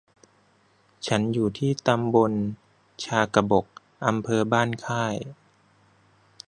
ฉันอยู่ที่ตำบลชากบก อำเภอบ้านค่าย